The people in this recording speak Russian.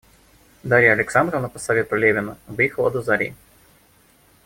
Дарья Александровна по совету Левина выехала до зари.